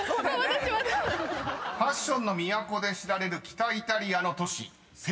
［ファッションの都で知られる北イタリアの都市「セリア」］